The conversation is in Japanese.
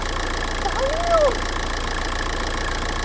大名の？